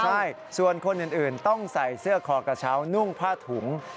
ใช่ส่วนคนอื่นต้องใส่เสื้อคอกระเช้านุ่งผ้าถุง